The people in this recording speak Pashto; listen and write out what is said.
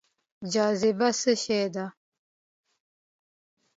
جاذبه څه شی دی؟